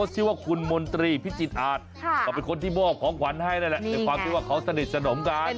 ซื้อให้เลยเป็นของขวัญวันแต่งงาน